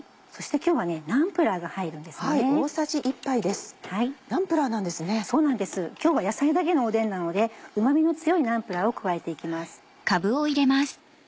今日は野菜だけのおでんなのでうま味の強いナンプラーを加えて行きます。